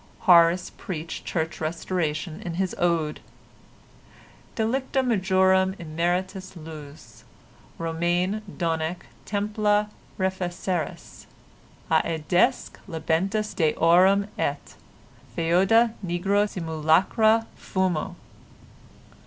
Horace preached church restoration in his ode:— Delicta majorum immeritus lues, Romane, donec templa refeceris Aedesque labentes deorum et Foeda nigro simulacra fumo.